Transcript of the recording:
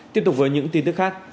tiếp tục với những tin tức khác